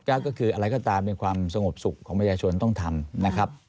ก็คืออะไรก็ตามในความสงบสุขของประชาชนต้องทำนะครับ